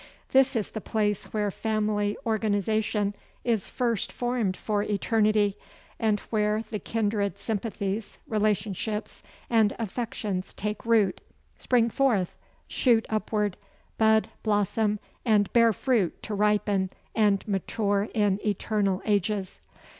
This is the place where family organization is first formed for eternity; and where the kindred sympathies, relationships, and affections take root, spring forth, shoot upward, bud, blossom, and bear fruit to ripen and mature in eternal ages.